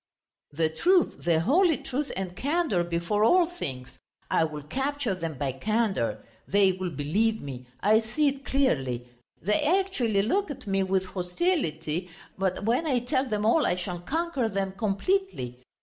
"The truth, the holy truth and candour before all things! I will capture them by candour. They will believe me, I see it clearly; they actually look at me with hostility, but when I tell them all I shall conquer them completely.